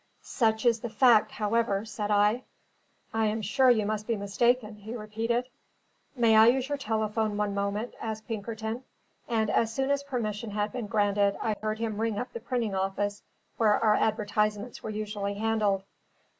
"Such is the fact, however," said I. "I am sure you must be mistaken," he repeated. "May I use your telephone one moment?" asked Pinkerton; and as soon as permission had been granted, I heard him ring up the printing office where our advertisements were usually handled.